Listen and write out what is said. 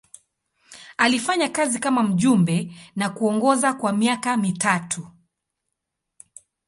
Alifanya kazi kama mjumbe na kuongoza kwa miaka mitatu.